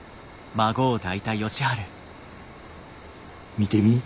見てみ。